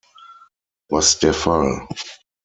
Was der Fall.